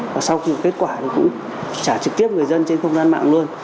và sau khi kết quả thì cũng trả trực tiếp người dân trên không gian mạng luôn